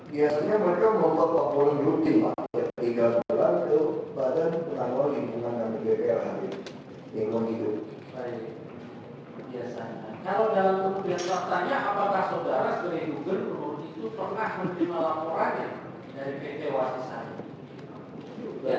biasanya kalau dalam kondisi laporannya apakah saudara segera itu pernah menerima laporan dari pt wasisari